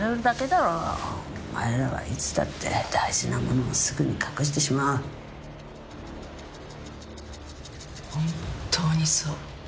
「お前らはいつだって大事なものをすぐに隠してしまう」「本当にそう」